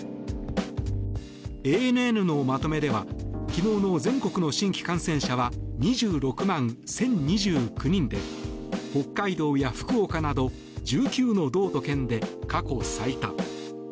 ＡＮＮのまとめでは昨日の全国の新規感染者は２６万１０２９人で北海道や福岡など１９の道と県で過去最多。